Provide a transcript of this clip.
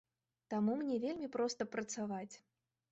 Таму мне вельмі проста працаваць.